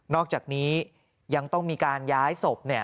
อกจากนี้ยังต้องมีการย้ายศพ